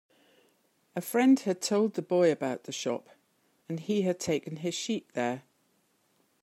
A friend had told the boy about the shop, and he had taken his sheep there.